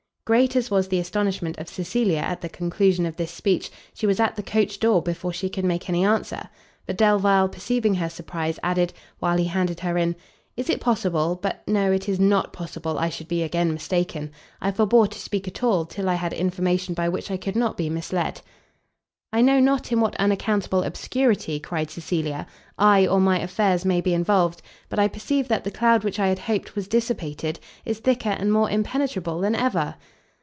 Great as was the astonishment of Cecilia at the conclusion of this speech; she was at the coach door before she could make any answer: but Delvile, perceiving her surprise, added, while he handed her in, "Is it possible but no, it is not possible I should be again mistaken. I forbore to speak at all, till I had information by which I could not be misled." "I know not in what unaccountable obscurity," cried Cecilia, "I, or my affairs, may be involved, but I perceive that the cloud which I had hoped was dissipated, is thicker and more impenetrable than ever."